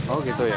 oh gitu ya